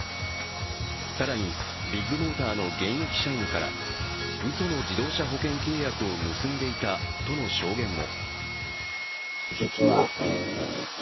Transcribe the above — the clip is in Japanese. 更に、ビッグモーターの現役社員からうその自動車保険契約を結んでいたとの証言も。